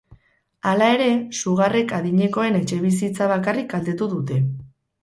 Hala ere, sugarrek adinekoen etxebizitza bakarrik kaltetu dute.